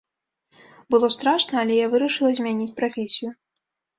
Было страшна, але я вырашыла змяніць прафесію.